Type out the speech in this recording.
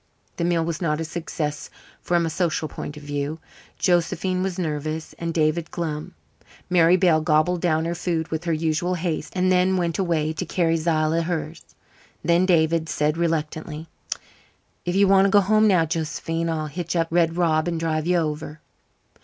The meal was not a success from a social point of view. Josephine was nervous and David glum. Mary Bell gobbled down her food with her usual haste, and then went away to carry Zillah hers. Then David said reluctantly: "If you want to go home now, Josephine, I'll hitch up Red Rob and drive you over."